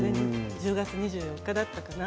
１０月２４日だったかな？